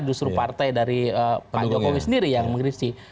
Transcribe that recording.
justru partai dari pak jokowi sendiri yang mengkrisi